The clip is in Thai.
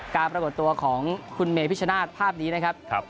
การปรากฏตัวของคุณเมพิชนาธิ์ภาพนี้นะครับ